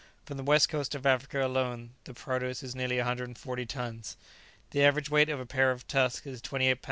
From the West Coast of Africa alone the produce is nearly 140 tons. The average weight of a pair of tusks is 28 lbs.